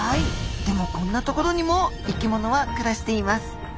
でもこんな所にも生きものは暮らしています。